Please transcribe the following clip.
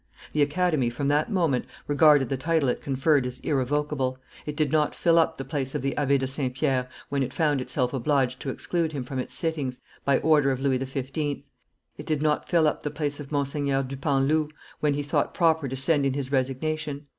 The Academy from that moment regarded the title it conferred as irrevocable: it did not fill up the place of the Abbe de St. Pierre when it found itself obliged to exclude him from its sittings, by order of Louis XV.; it did not fill up the place of Mgr. Dupanloup, when he thought proper to send in his resignation.